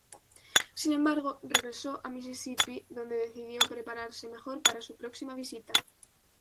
Sin embargo, regresó a Mississippi, donde decidió prepararse mejor para su próxima visita.